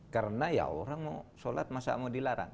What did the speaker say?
karena ya orang mau sholat masa mau dilarang